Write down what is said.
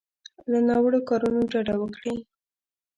له ناوړو کارونو ډډه وکړي.